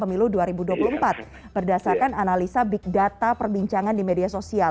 pemilu dua ribu dua puluh empat berdasarkan analisa big data perbincangan di media sosial